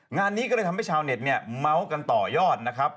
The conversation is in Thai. งานนี้ก็เลยทำให้ชาวเน็ตเนี่ยเมาส์กันต่อยอดนะครับ